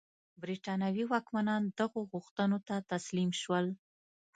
برېټانوي واکمنان دغو غوښتنو ته تسلیم شول.